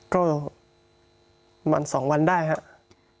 ก็วัน๒วันได้ครับ